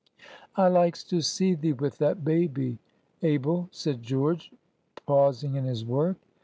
"I likes to see thee with that babby, Abel," said George, pausing in his work.